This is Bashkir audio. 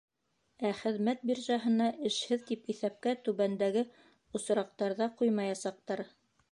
Ә хеҙмәт биржаһына эшһеҙ тип иҫәпкә түбәндәге осраҡтарҙа ҡуймаясаҡтар: